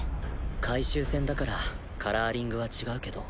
改修船だからカラーリングは違うけど。